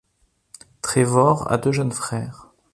Trevor a deux jeunes frères.